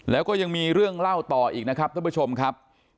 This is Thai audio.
แล้วก็ยังมีเรื่องเล่าต่ออีกนะครับท่านผู้ชมครับ